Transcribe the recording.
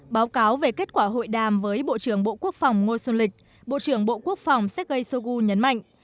báo cáo về kết quả hội đàm với bộ trưởng bộ quốc phòng ngô xuân lịch bộ trưởng bộ quốc phòng sergei shoigu nhấn mạnh